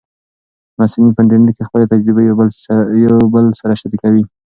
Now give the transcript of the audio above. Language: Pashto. محصلین په انټرنیټ کې خپلې تجربې یو بل سره شریکوي.